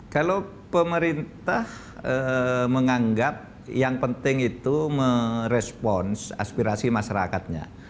kalau pemerintah menganggap yang penting itu merespons aspirasi masyarakatnya